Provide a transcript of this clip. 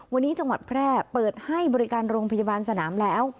วันนี้จังหวัดแพร่เปิดให้บริการโรงพยาบาลสนามแล้ว